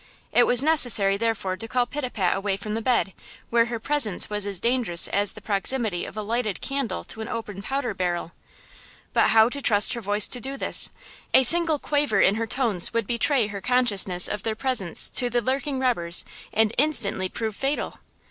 It was necessary, therefore, to call Pitapat away from the bed, where her presence was as dangerous as the proximity of a lighted candle to an open powder barrel! But how to trust her voice to do this? A single quaver in her tones would betray her consciousness of their presence to the lucking robbers and prove instantly fatal!